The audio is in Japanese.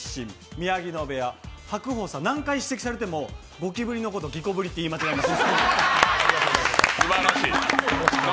宮城野部屋、白鵬さん、何回指摘されてもゴキブリのこと、ギコブリと言い間違えます。